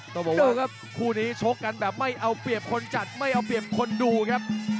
ต้องบอกว่าคู่นี้ชกกันแบบไม่เอาเปรียบคนจัดไม่เอาเปรียบคนดูครับ